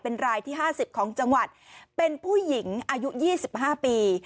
เป็นรายที่๕๐ของจังหวัดเป็นผู้หญิงอายุ๒๕ปี